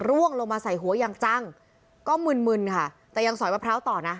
ร่วงลงมาใส่หัวอย่างจังก็มึนมึนค่ะแต่ยังสอยมะพร้าวต่อนะ